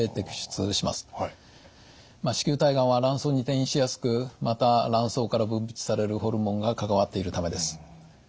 子宮体がんは卵巣に転移しやすくまた卵巣から分泌されるホルモンが関わっているためです。